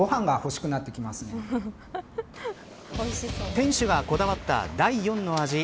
店主がこだわった第４の味